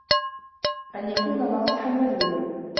أَنْ يَكُونَ نَاصِحًا وَدُودًا